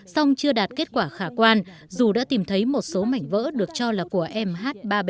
song chưa đạt kết quả khả quan dù đã tìm thấy một số mảnh vỡ được cho là của mh ba trăm bảy mươi